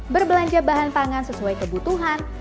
berbelanja bahan pangan sesuai kebutuhan